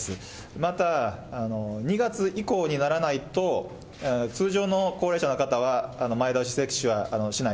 また、２月以降にならないと通常の高齢者の方は前倒し接種はしない、